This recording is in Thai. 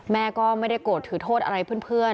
แม่ก็ไม่ได้โกรธถือโทษอะไรเพื่อน